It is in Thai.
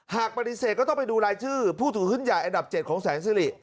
หากปฏิเสธก็ต้องไปดูรายชื่อผู้ถือหุ้นใหญ่อันดับ๗ของแสนสิริ